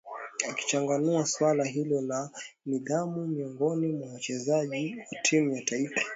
akichanganua swala hilo la nidhamu miongoni mwa wachezaji wa timu ya taifa